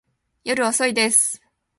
夜遅いです。